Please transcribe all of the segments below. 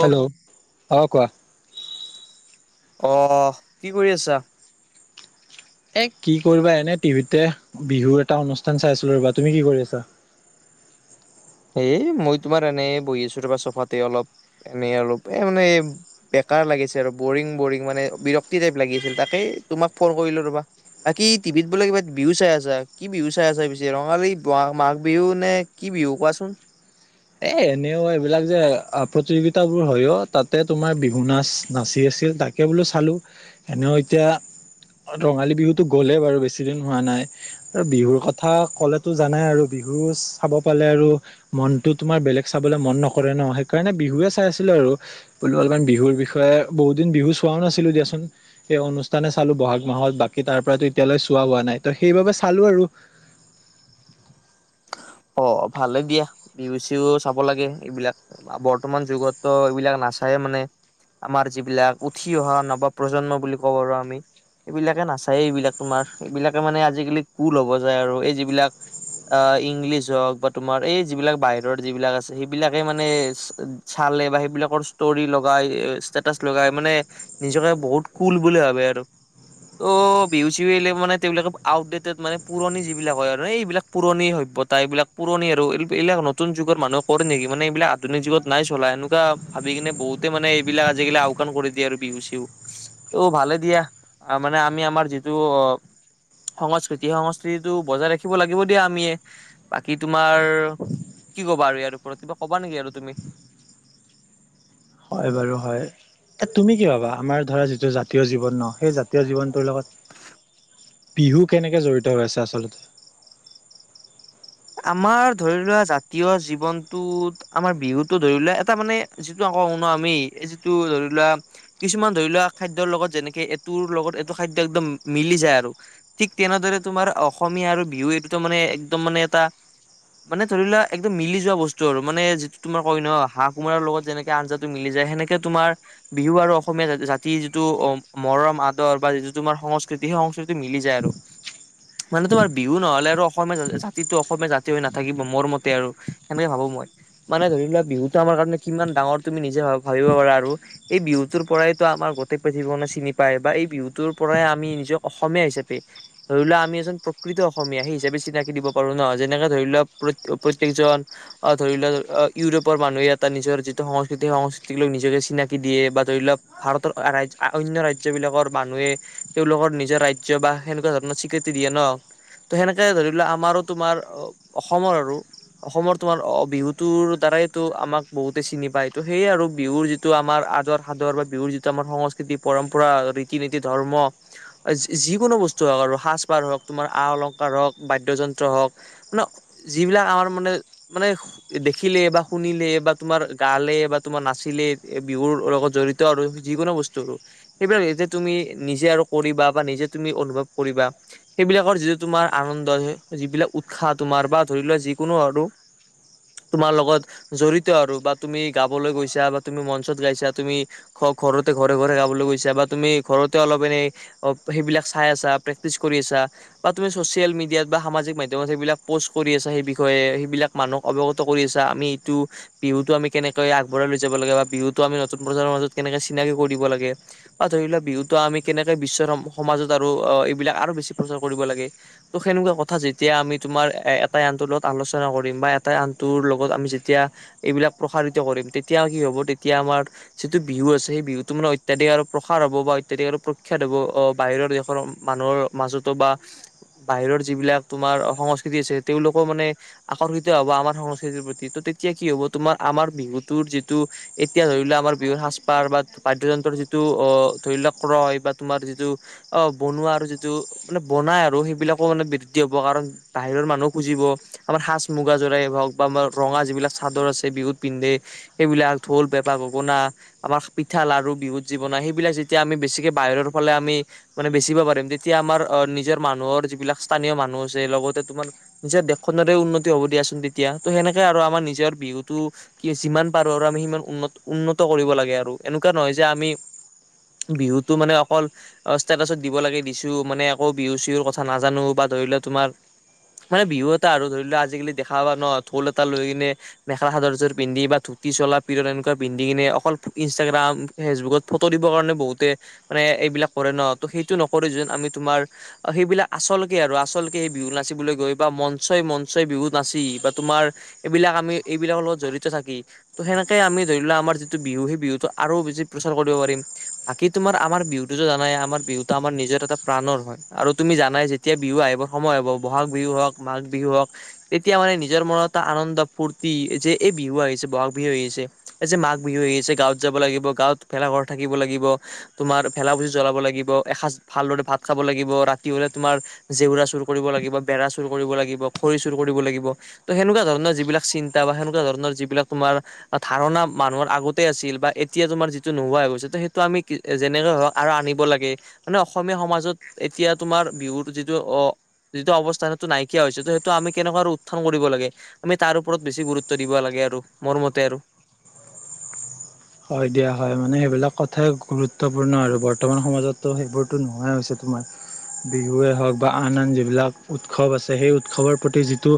Hello অ', কোৱা? অ', কি কৰি আছা? এ, কি কৰিবা এনে টিভিতে বিহুৰ এটা অনুষ্ঠান চাই আছিলো, ৰবা তুমি কি কৰি আছা? এ, মই তোমাৰ এনেই বহি আছো তপা চফাতে অলপ এনেই অলপ এ, মানে বেকাৰ লাগিছে আৰু বৰিং বৰিং মানে বিৰক্তি টাইপ লাগি আছিল, তাকেই তোমাক ফোন কৰিলো ৰ'বা বাকী টিভিত বোলে কিবা বিহু চাই আছা, কি বিহু চাই আছা পিছে ৰঙালী মাঘ বিহু নে কি বিহু কোৱাচোন? এ, এনেও এইবিলাক যে প্ৰতিযোগিতাবোৰ হয়ও তাতে তোমাৰ বিহু নাচ নাচি আছিল তাক তে বোলো চালোঁ, এনেও এতিয়া ৰঙালী বিহুটো গ'লেই বাৰু বেছিদিন হোৱা নাই। আৰু বিহুৰ কথা ক'লেতো জানাই আৰু বিহু চাব পালে আৰু মনটোত তোমাৰ বেলেগ চাবলৈ মন নকৰে ন' সেইকাৰণে বিহুৱে চাই আছিলোঁ আৰু। বোলো অলপমান বিহুৰ বিষয়ে বহুত দিন বিহু চোৱাও নাছিলো দিয়াচোন। সেই অনুষ্ঠানে চালো বহাগ মাহত বাকী তাৰ পৰাতো এতিয়ালৈ চোৱা হোৱা নাই ত' সেইবাবে চালো আৰু। অ', ভালে দিয়া টিভি চিও চাব লাগে এইবিলাক বৰ্তমান যুগতো এইবিলাক নাচায়ে মানে আমাৰ যিবিলাক উঠি অহা নব প্ৰজন্ম বুলি কব পাৰো আমি এইবিলাকে নাচায়েই, এইবিলাক তোমাৰ এইবিলাকে মানে আজিকালি কুল হব যায় আৰু এই যিবিলাক আ, ইংলিছ হওক বা তোমাৰ এই যিবিলাক বাহিৰৰ যিবিলাক আছে সেইবিলাকে মানে চালে বা সেইবিলাকৰ ষ্টৰি লগাই ষ্টেটাচ লগাই মানে নিজকে বহুত কুল বুলি ভাবে আৰু। ত' ভউ চিলে মানে তেওঁবলাকে আউটডেটেড মানে পুৰণি যিবিলাক হয় আৰু এই এইবিলাক পুৰণি সভ্য ত এইবিলাক পুৰণি আৰু এই এইবিলাক নতুন যুগৰ মানুহে কৰে নেকি মানে এইবিলাক আধুিক যুগত নাই চলা এনেকুৱা ভাবি কিনে বহুতে মানে এইবিলাক আজিকালি আওকাণ কৰি দিয়ে আৰু বিহু চিহু ত' ভালে দিয়া, মানে আমি আমাৰ যিটো অ' সংস্কৃতি, সংস্কৃতিটো বজাই ৰাখিব লাগিব দিয়া আমিয়ে। বাকী তোমাৰ কি ক'বা আৰু, ইয়াৰ ওপৰত কিবা কবা নেকি আৰু তুমি। হয় বাৰু হয়, এ তুমি কি ভাবা আমাৰ ধৰা যিটো জাতীয় জীৱন নহ সেই জাতীয় জীৱনটোৰ লগত বিহু কেনেকৈ জড়িত হৈ আছে আচলতে? আমাৰ ধৰি লোৱা জাতীয় জীৱনটোত, আমাৰ বিহুতো ধৰি লোৱা এটা মানে যিটো আকৌ শুনো আমি, এই যিটো ধৰিলোৱা কিছুমান ধৰি লোৱা খাদ্যৰ লগত যেনেকে, এইটোৰ লগত এইটো খাদ্য একদম মিলি যায় আৰু। ঠিক তেনেদৰে তোমাৰ অসমীয়া আৰু বিহু এই দুটা তাৰমানে একদম মানে এটা মানে ধৰি লোৱা একদম মিলি যোৱা বস্তু আৰু মানে, যিটো তোমাৰ কয় নহ হাঁ কোমোৰাৰ লগত যেনেকে আঞ্জাটো মিলি যায়, সেনেকে তোমাৰ বিহু আৰু অসমীয়াা জাতি, যিটো অ', মৰম, আদৰ বা যিটো তোমাৰ সংস্কৃতি হ সংস্কৃতি মিলি যায় আৰু, মানে তোমাৰ বিহু নহ'লে আৰু অসমীয়া যিটো অসমীয়া জাতি হৈ নাথাকিব, মোৰ মতে আৰু সেনেকে ভাবোঁ মই। মানে ধৰি লোৱা বিহুটো আমাৰ কাৰণে কিমান ডাঙৰ, তুমি নিজে ভাবিব পাৰা আৰু। এই বিহুটোৰ পৰাইটো আমাৰ গোটেই পৃথিৱীখনে চিনি পায়, বা এই বিহুটোৰ পৰাই আমি নিজৰ অসমীয়া হিচাপে ধৰি লোৱা আমি, এ, প্ৰকৃত অসমীয়া হিচাপে চিনাকি দিব ৰো ন', যেনেকে ধৰি লোৱা প্ৰত্যেকজন অ', ধৰি লওঁক, ইউৰোপৰ মানুহ এটা নিজৰ যিটো সংস্কৃতি, সেই সংস্কৃতিক লৈ নিজকে চিনাকি দিয়ে বা ধৰি লওক ভাৰতৰ ৰাজ অন্য ৰাজ্য বিলাকৰ মানুহে তেওঁলোকৰ নিজৰ ৰাজ্য, বা সেনেকুৱা ধৰণৰ স্বীকৃতি দিয়ে ন', ত' সেনেকে ধৰি লোৱা আমাৰো তোমাৰ অ অসমৰ আৰু। অসমৰ তোমাৰ অ বিহুটোৰ দ্বাৰাইটো, আমাক বহুতে চিনি পায় ত' সেইয়ে আৰু বিহুৰ যি টো আমাৰ আদৰ সাদৰ বা বিহুৰ যিটো আমাৰ, সংস্কৃতি পৰম্পৰা ৰীতি নীতি ধৰ্ম যিকোনো বস্তু হওঁক, আৰু সাজ পাৰ হওঁক তোমাৰ আ অলংকাৰ হওঁক বাদ্যযন্ত্ৰ হওঁক, মানে যিবিলাক আমাৰ মানে, মানে দেখিলে বা শুনিলে, বা তোমাৰ গালে, বা তোমাৰ নাচিলে, বিহুৰ লগত জড়িত আৰু যিকোনো বস্তু আৰু। সেইবিলাক যেতিয়া তুমি নিজে আৰু কৰিবা, বা নিজে তুমি অনুভৱ কৰিবা সেইবিলাকৰ যিটো তোমাৰ আনন্দ, যিবিলাক উৎসাহ, তোমাৰ বা ধৰি লোৱা যিকোনো আৰু তোমাৰ লগত জড়িত আৰু বা তুমি গাবলৈ গৈছা, বা তুমি মঞ্চত গাইছা, তুমি ঘ ঘৰতে, ঘৰে, ঘৰে গাবলৈ গৈছে বা তুমি ঘৰতে অলপ এনেই সেইবিলাক চাই আছাঁ, প্ৰেক্টিচ কৰি আছা, বা তুমি চচিয়েল মিডিয়াত বা সামাজিক মাধ্য়মত সেইবিলাক পোষ্ট কৰি আছা, সেই বিষয়ে সেইবিলাক মানুহক অৱগত কৰি আছা, আমি এইটো বিহুটো আমি কেনেকৈ আগবঢ়াই লৈ যাব লাগে, বা বিহুটো আমি নতুন প্ৰজন্মৰ মাজত কেনেকৈ চিনাকি কৰিব লাগে বা ধৰি লোৱা, বিহুটো আমি কেনেকৈ বিশ্বৰ সমাজত আৰু, এইবিলাক আৰু বেছি প্ৰচাৰ কৰিব লাগে ত', সেনেুৱা কথা তথা, যেতিয়া আমি তোমাৰ এটাই, আনটোৰ লগত আলোচনা কৰিম, বা এটা আনটোৰ লগত আমি যেতিয়া এইবিলাক প্ৰসাৰিত কৰিম তেতিয়া কি হ'ব, তেতিয়া আমাৰ যিটো বিহু আছে, সেই বিহুতটো মানে অত্যাধিক আৰু প্ৰসাৰ হ'ব, বা অত্যাধিক আৰু প্ৰখ্যাত হ'ব, অ', বাহিৰৰ দেশৰ মানুহৰ মাজতো বা, বাহিৰৰ যিবিলাক তোমাৰ সংস্কৃতি আছে, তেওঁলোকো মানে আকৰ্ষিত হব আমাৰ সংস্কৃতিৰ প্ৰতি, ত' তেতিয়া কি হ'ব, তোমাৰ আমাৰ বিহুটোৰ যিটো এতিয়া ধৰি লোৱা আমাৰ বিহুৰ সাজপাৰ, বা বাদ্যয়যন্ত্ৰৰ যিটো অ', ধৰি লোৱা ক্ৰয় বা তোমাৰ যিটো অ', বনোৱা আৰু যিটো মানে, বনাই আৰু সেইবিলাকো মানে হ'ব কাৰণ, বাহিৰৰ মানুহহো খুজিব আমাৰ সাজ মুগা জোৰাই হওক, বা আমাৰ ৰঙা যিবিলাক চাদৰ আছে, বিহুত পিন্ধে সেইবিলাক ঢোল, পেপা, গগনা আমাৰ পিঠা লাাৰু, বিহু যি বনাই সেইবিলাক, যেতিয়া আমি বেছিকে বাহিৰৰ ফালে, আমি মানে বেচিব পাৰিম, তেতিয়া আমাৰ অ', নিজৰ মানুহৰ যিবিলাক স্থানীয় মানুহ আছে, লগতে তোমাৰ নিজৰ দেশখনেৰে উন্নতি হ'ব দিয়াচোন, তেতিয়া, ত' সেনেকে আৰু আমাৰ নিজৰ বিহুটো কি যিমান পাৰো, আৰু আমি সিমান উন্ন, উন্নত কৰিব লাগে আৰু, এনেকুৱা নহয় যে আমি বিহুটো মানে অকল, ষ্টেটাচত দিব লাগে দিছোঁ, মানে আকৌ বিহু চিহুৰ কথা নাজানোঁ বা, ধৰি লোৱা তোমাৰ, মানে বিহু এটা আৰু ধৰি লোৱা আজিকালি, দেখা পোৱা ন' ঢোল এটা লৈ কিনে মেখেলাচাদৰ জোৰ পিন্ধি, বা ধুতি চলাৰ এনেকুৱা পিন্ধি কিনে অকল ইনষ্টাগ্ৰাম ফেচবুকত ফটো দিবৰ কাৰণে, বহুতে মানে এইবিলাক কৰে ন', ত'সেইটো নকৰি যেন আমি তোমাৰ অ', সেইবিলাক আচলতে আৰু আচলকে সেই বিহু নাচিবলৈ গৈ, বা মঞ্চই, মঞ্চই বিহু নাচি বা তোমাৰ এইবিলাক আমি এইবিলাকৰ লগত জড়িত থাকি ত' সেনেকে আমি ধৰি লোৱা আমাৰ যিটো বিহু, সেই বিহুটো আৰু বেছি প্ৰচাৰ কৰিব পাৰিম। বাকী তোমাৰ আমাৰ বিহুটোটো জানাই, আমাৰ বিহুটো আমাৰ নিজৰ এটা প্ৰাণৰ হয়, আৰু তুমি জানাই যে এতিয়া বিহু আহিব সময় হব, বহাগ বিহু হওক, মাঘ বিহু হওক। তেতিয়া মানে নিজৰ মনত এটা আনন্দ ফূৰ্তি যে, এই বিহু আহিছে, বহাগ বিহু আহিছে। এই যে মাঘ বিহু আহি আছে, গাঁৱত যাব লাগিব, গাঁৱত ভেলাঘৰ থাকিব লাগিব। তোমাৰ ভেলা ভূজি জ্বলাব লাগিব, এসাঁজ ভালদৰে ভাত খাব লাগিব, ৰাতি হলে তোমাৰ জেউৰা চুৰ কৰিব লাগিব, বেৰা চুৰ কৰিব লাগিব, খৰি চুৰ কৰিব লাগিব। ত সেনেকুৱা ধৰণৰ যিবিলাক চিন্তা বা সেনেকুৱা ধৰণৰ যিবিলাক তোমাৰ ধাৰণা মানুহৰ আগতে আছিল, বা এতিয়া তোমাৰ যিটো নোহোৱা হৈ গৈছে, ত সেইটো আমি যেনেকৈ হওক আৰু আনিব লাগে, মানে অসমীয়া সমাজত এতিয়া তোমাৰ বিহুৰ যিটো, আহ যিটো অৱস্থা সেইটো নাইকিয়া হৈছে, ত সেইটো আমি কেনেকুৱা আৰু উ্থান কৰিব লাগে। আমি তাৰ ওপৰত বেছি গুৰুত্ব দিব লাগে, আৰু মোৰ মতে আৰু। হয় দিয়া হয়, মানে সেইবিলাক কথাই গুৰুত্বপূৰ্ণ আৰু বৰ্তমান সমাজততো সেইবোৰতো নোহোৱা হৈছে তোমাৰ। বিহুৱেই হওক বা আন আন যিবিলাক উৎসৱ আছে, সেই উৎসৱৰ প্ৰতি যিটো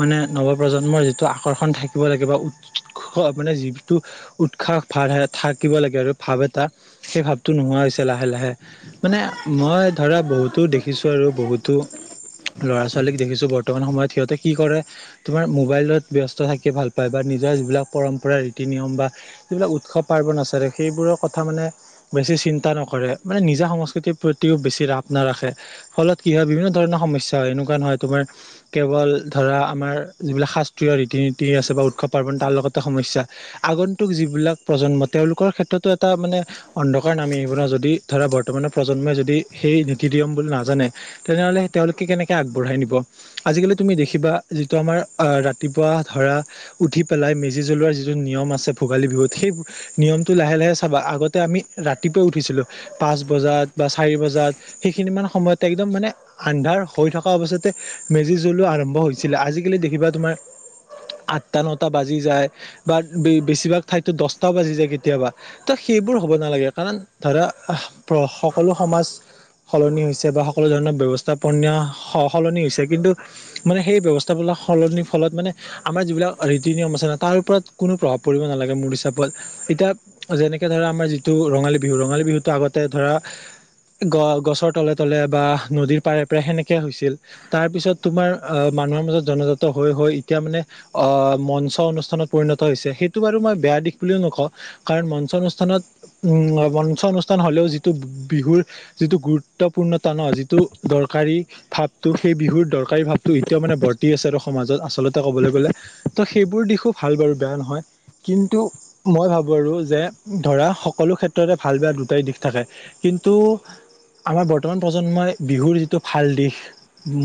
মানে নৱপ্ৰজন্মৰ যিটো আকৰ্ষণ থাকিব লাগে, বা উৎস মানে যিটো উৎসাহ ভাৰ থাকিব লাগে আৰু, ভাৱ এটা, সেই ভাৱটো নোহোৱা হৈছে লাহে লাহে। মানে, মই ধৰা বহুতো দেখিছোঁ আৰু বহুতো লৰা ছোৱালীক দেখিছো বৰ্তমান সময়ত সিহঁতে কি কৰে তোমাৰ মোবাইলত ব্য্স্ত থাকি ভাল পায়, বা নিজৰ যিবিলাক পৰম্পৰা ৰীতি নিয়ম বা যিবিলাক উৎসৱ পাৰ্বণ আছে, সেইবোৰৰ কথা মানে বেছি চিন্তা নকৰে, মানে নিজা সংস্কৃতিৰ প্ৰতিও বেছি ৰাপ নাৰাখে। ফলত কি হয়, বিভিন্ন ধৰণৰ সমস্যা হয়, এনেকুৱা নহয় তোমাৰ কেৱল ধৰা আমাৰ যিবিলাক শাস্ত্ৰীয় ৰীতি নীতি আছে বা উৎসৱ পাৰ্বণ তাৰ লগতে সমস্যা। আগন্তুক যিবিলাক প্ৰজন্ম তেওঁলোকৰ ক্ষেত্ৰতো এটা মানে অন্ধকাৰ নামি আহিব ন যদি ধৰা বৰ্তমানৰ প্ৰজন্মই যদি সেই নীতি নিয়ম বুলি নাজানে। তেনেহলে তেওঁলোকে কেনেকে আগবঢ়াই নিব। আজিকালি তুমি দেখিবা যিটো আমাৰ আহ ৰাতিপুৱা ধৰা উঠি পেলাই মেজি জ্বলোৱাৰ যিটো নিয়ম আছে ভোগালী বিহুত। সেই নিয়মটো লাহে লাহে চাবা, আগতে আমি ৰাতিপুৱাই উঠিছিলোঁ। পাঁচ বজাত বা চাৰি বজাত সেইখিনি মান সময়ত একদম মানে আন্ধাৰ হৈ থকা অৱস্থাতে, মেজি জ্বলো আৰম্ভ হৈছিলে, আজিকালি দেখিবা তোমাৰ আঠটা নটা বাজি যায়, বা বেছিভাগ ঠাইততো দছটাও বাজি যায় কেতিয়াবা। ত সেইবোৰ হ'ব নালাগে, কাৰণ ধৰা সকলো সমাজ সলনি হৈছে বা সকলো ধৰণৰ ব্যৱস্থাপনীয়, স সলনি হৈছে কিন্তু মানে সেই ব্যৱস্থা সলনিৰ ফলত মানে, আমাৰ যিবিলাক ৰীতি নিয়ম আছে ন, তাৰ ওপৰত কোনো প্ৰভাৱ পৰিব নালাগে। মোৰ হিচাপত, এতিয়া যেনেকে ধৰা আমাৰ যিটো ৰঙালী বিহু, ৰঙালী বিহুতটো আগতে ধৰা গ গছৰ তলে তলে বা নদীৰ পাৰে পাৰে, সেনেকে হৈছিল, তাৰ পিছত তোমাৰ মানুহৰ মাজত জনজাত হৈ গয়, এতিয়া মানে অ' মঞ্চ অনুষ্ঠানত পৰিণত হৈছে, সেইটো বাৰু মই বেয়া দিশ বুলিও নকওঁ, কাৰণ মঞ্চ অনুষ্ঠানত উম, মঞ্চ অনুষ্ঠান হ'লেও যিটো বিহুৰ যিটো গুৰুত্বপূৰ্ণত ন যিটো দৰকাৰী, ভাৱটো সেই বিহুৰ দৰকাৰ কাৰী ভাৱটো এতিয়া মানে বৰ্তি আছে আৰু সমাজত আচলতে ক'বলৈ গ'লে। তো সেইবোৰ দিশোঁ ভাল বাৰু, বেয়া নহয়। কিন্তু, মই ভাবোঁ আৰু যে ধৰা সকলো ক্ষেত্ৰতে ভাল বেয়া দুটাই দিশ থাকে। কিন্তু, আমাৰ বৰ্তমান প্ৰজন্মই বিহুৰ যিটো ভাল দিশ,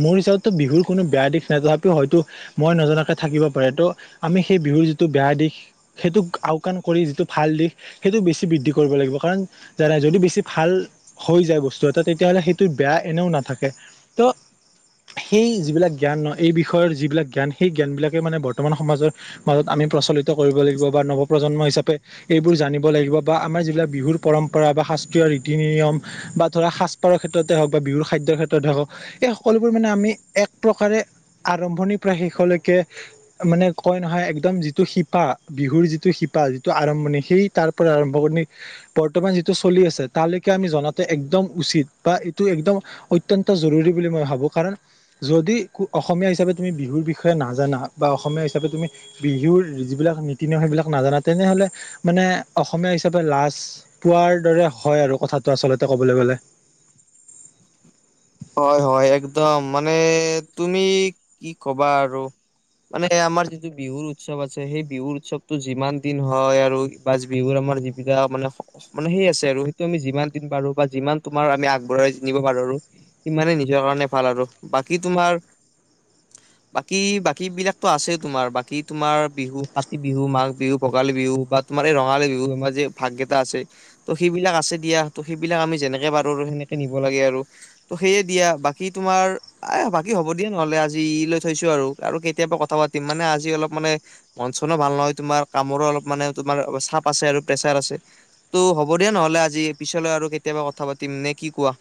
মোৰ হিচাপত ত বিহুৰ কোনো বেয়া দিশ নাই, তথাপিও হয়তো মই নজনাকে থাকিব পাৰে ত', আমি সেই বিহুৰ যিটো বেয়া দিশ সেইটোক আওকাণ কৰি যিটো ভাল দিশ, সেইটো বেছি বৃদ্ধি কৰিব লাগিব, কাৰণ জানাই যদি বেছি ভাল, হৈ যায় বস্তু এটা তেতিয়াহ'লে সেইটো বেয়া এনেও নাথাকে, ত সেই যিবিলাক জ্ঞান এই বিষয়ৰ যিবিলাক জ্ঞান সেই জ্ঞানবিলাকে মানে বৰ্তমান সমাজৰ মাজত আমি প্ৰচলিত কৰিব লাগিব বা নৱ প্ৰ্জন্ম হিচাপে এইবোৰ জানিব লাগিব বা আমাৰ যিবিলাক বিহুৰ পৰম্পৰা বা শাস্ত্ৰীয় ৰীতি নিয়ম, বা ধৰা সাজ পাৰৰ ক্ষেত্ৰতে হওক বা বিহুৰ খাদ্যৰ ক্ষেত্ৰতে হওক, এই সকলোবোৰ মানে আমি এক প্ৰকাৰে আৰম্ভণিৰ পৰা শেষলৈকে, মানে কয় নহয় একদম যিটো শিপা, বিহুৰ যিটো শিপা যিটো আৰম্ভণি সেই তাৰ পৰা আৰম্ভ কৰি, বৰ্তমান যিটো চলি আছে তালৈকে আমি জনাতো একদম উচিত বা এইটো একদম, অত্যন্ত জৰুৰী বুলি মই ভাবো কাৰণ, যদি অসমীয়া হিচাপে তুমি বিহুৰ বিষয়ে নাজানা বা অসমীয়া হিচাপে তুমি, বিহুৰ যিবিলাক নীতি নিয়ম সেইবিলাক নাজানা তেনেহ'লে মানে অসমীয়া হিচাপে লাজ, পোৱাৰ দৰে হয় আৰু কথাটো আচলতে ক'বলৈ গ'লে। [inaudible] হয় হয় একদম মানে তুমি কি ক'বা আৰু, মানে আমাৰ যিটো বিহুৰ উৎসৱ আছে সেই বিহুৰ উৎসৱতটো যিমান দিন হয় আৰু, বা বিহুৰ আমাৰ যিবিটা মানে, মানে সেই আছে আৰু সেইটো আমি যিমান দিন পাৰো বা যিমান তোমাৰ আমি আগবঢ়াই, নিব পাৰো আৰু ইমানে নিজৰ কাৰণে ভাল আৰু বাকী তোমাৰ, বাকী বাকী বিলাকতো আছেই তোমাৰ বাকী তোমাৰ বিহু কাতি বিহু মাঘ বিহু ভোগালী বিহু বা, তোমাৰ এই ৰঙালী বিহু তোমাৰ যে ভাগ কেইটা আছে, ত' সেইবিলাক আছে দিয়া ত সেইবিলাক আমি যেনেকে পাৰো আৰু সেনেকে নিব লাগে আৰু, ত' সেয়ে দিয়া বাকী তোমাৰ এ বাকী হ'ব দিয়া নহলে আজি লৈ থৈছো আৰু, আৰু কেতিয়াবা কথা পাতিম মানে আজি অলপ মানে, মন চনো ভাল নহয় তোমাৰ কামৰো অলপ মানে তোমাৰ চাপ আছে আৰু প্ৰেছাৰ আছে। ত' হ'ব দিয়া নহলে আজি পিছলৈ আৰু কেতিয়াবা কথা পাতিম, নে কি কোৱা?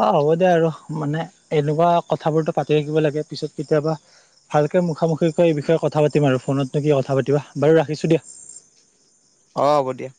অ হ'ব দে আৰু মানে এনেকুৱা কথাবোৰতো পাতি থাকিব লাগে পিছত কেতিয়াবা, ভালকৈ মুখামুখি কৈ এই বিষয়ে কথা পাতিম আৰু ফোনতনো কি কথা পতিবা বাৰু ৰাখিছোঁ দিয়া। অ হ'ব দিয়া।